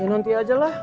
ya nanti aja lah